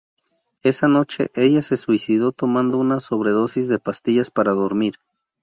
Esa noche ella se suicidó tomando una sobredosis de pastillas para dormir.